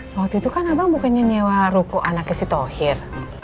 waktu itu kan abang bukannya nyewa ruko anaknya si tohir